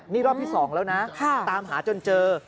นี่รอบที่๒แล้วนะตามหาจนเจอ